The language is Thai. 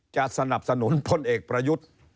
จะสนับสนุนพลเอกประยุทธ์